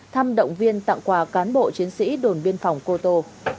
thăm động viên tặng quà cán bộ chiến sĩ đồn biên phòng cô tô